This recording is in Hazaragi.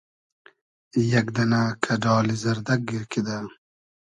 یئگ دئنۂ کئۮالی زئردئگ گیر کیدۂ